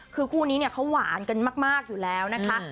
คือคู่นี้เนี่ยเขาหวานกันมากอยู่แล้วนะคะ